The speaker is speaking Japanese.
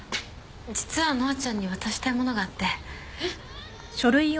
実は乃愛ちゃんに渡したい物があって。